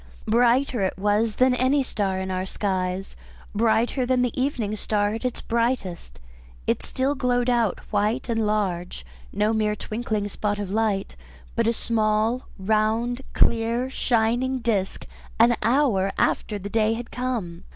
Brighter it was than any star in our skies; brighter than the evening star at its brightest. It still glowed out white and large, no mere twinkling spot of light, but a small, round, clear shining disc, an hour after the day had come.